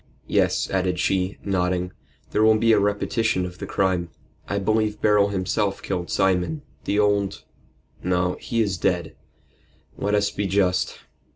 Yes," added she, nodding, "there will be a repetition of the crime. I believe Beryl himself killed Simon the old no, he is dead. Let us be just."